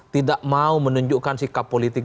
tidak mau menunjukkan sikap politik